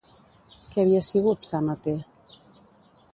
Què havia sigut Psàmate?